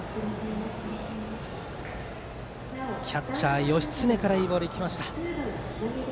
キャッチャー、義経からいいボールが行きました。